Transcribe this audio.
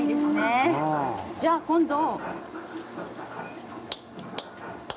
じゃあ今度。